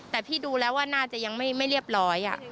แต่พี่ดูแล้วว่าน่าจะยังไม่เรียบร้อย